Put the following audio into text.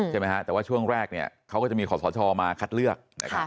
แต่ว่าช่วงแรกเนี่ยเค้าก็จะมีขอสอชมาคัดเลือก